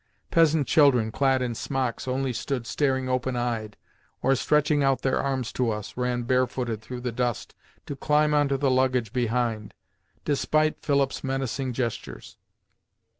Peasant children clad in smocks only stood staring open eyed or, stretching out their arms to us, ran barefooted through the dust to climb on to the luggage behind, despite Philip's menacing gestures.